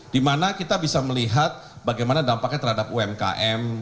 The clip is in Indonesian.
dimana kita bisa melihat bagaimana dampaknya terhadap umkm